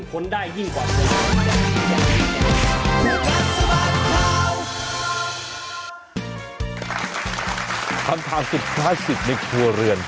คำถามสุดท้ายสิทธิ์ในครัวเรือน